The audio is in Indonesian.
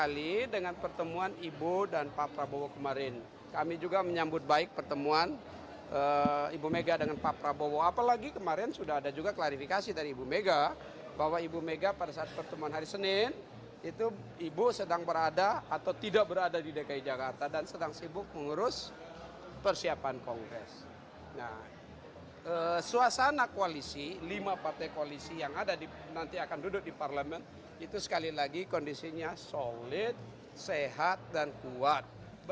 lima partai koalisi yang nanti akan duduk di parlemen itu sekali lagi kondisinya solid sehat dan kuat